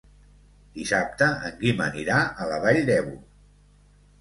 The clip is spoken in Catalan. Dissabte en Guim anirà a la Vall d'Ebo.